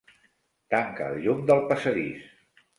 Tanca el llum del passadís.